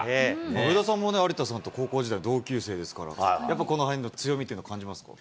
上田さんも有田さんと高校時代、同級生ですから、やっぱこのへんの強みっていうのは感じますか。